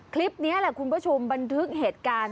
คลิปนี้แหละคุณผู้ชมบันทึกเหตุการณ์